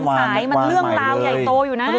สายมันเรื่องราวใหญ่โตอยู่นะ